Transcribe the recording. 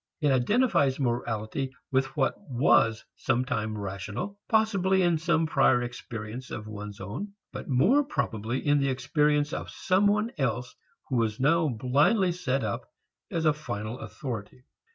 It identifies morality with what was sometime rational, possibly in some prior experience of one's own, but more probably in the experience of some one else who is now blindly set up as a final authority.